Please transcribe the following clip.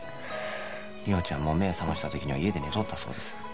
梨央ちゃんも目覚ました時には家で寝とったそうです